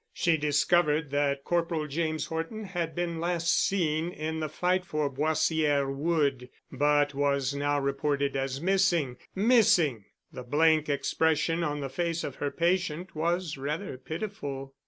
She discovered that Corporal James Horton had been last seen in the fight for Boissière Wood, but was now reported as missing. Missing! The blank expression on the face of her patient was rather pitiful.